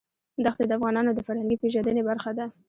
دښتې د افغانانو د فرهنګي پیژندنې برخه ده.